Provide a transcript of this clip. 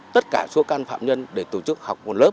tất cả số cán phạm nhân để tổ chức học văn lớp